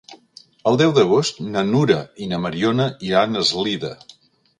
El deu d'agost na Nura i na Mariona iran a Eslida.